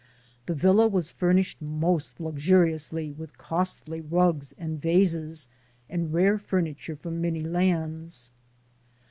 The villa was furnished most luxuriously with costly rugs and vases and rare furniture from many lands.